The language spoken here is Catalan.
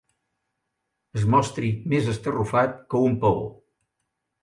Es mostri més estarrufat que un paó.